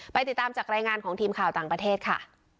ติดตามจากรายงานของทีมข่าวต่างประเทศค่ะ